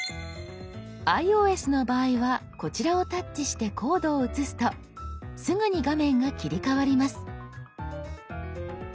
ｉＯＳの場合はこちらをタッチしてコードを写すとすぐに画面が切り替わります。